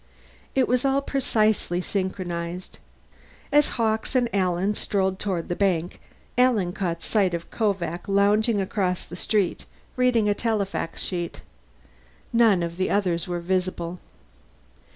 It was all precisely synchronized. As Hawkes and Alan strolled toward the bank, Alan caught sight of Kovak lounging across the street, reading a telefax sheet. None of the others were visible.